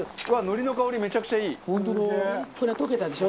ほら溶けたでしょ。